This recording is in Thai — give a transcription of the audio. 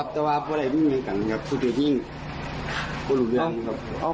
พี่ชายเรียกกันมาก่อนไหม